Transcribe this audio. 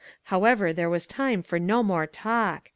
How ever, there was time for no more talk.